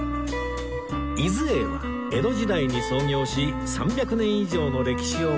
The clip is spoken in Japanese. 伊豆榮は江戸時代に創業し３００年以上の歴史を持つ老舗